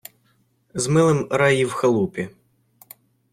з милим рай і в халупі